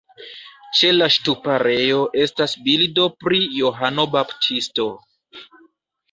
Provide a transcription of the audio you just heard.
Ĉe la ŝtuparejo estas bildo pri Johano Baptisto.